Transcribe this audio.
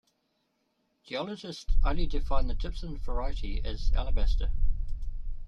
Geologists only define the gypsum variety as alabaster.